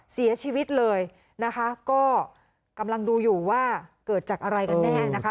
เสียชีวิตเลยนะคะก็กำลังดูอยู่ว่าเกิดจากอะไรกันแน่นะคะ